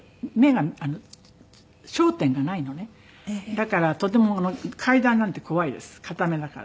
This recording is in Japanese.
だからとても階段なんて怖いです片目だから。